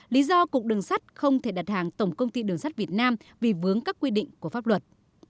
lý do cục đường sắt không thể đặt hàng tổng công ty đường sắt việt nam vì vướng các quy định của pháp luật